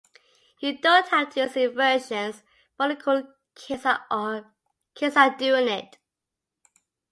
You don't have to use inversions, but all the cool kids are doing it.